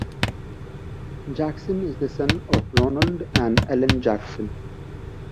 Jackson is the son of Ronald and Ellen Jackson.